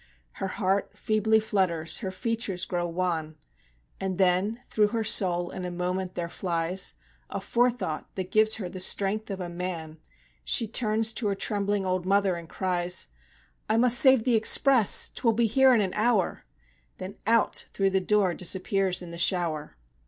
Her heart feebly flutters, her features grow wan, And then through her soul in a moment there flies A forethought that gives her the strength of a man She turns to her trembling old mother and cries: "I must save the express 'twill be here in an hour!" Then out through the door disappears in the shower.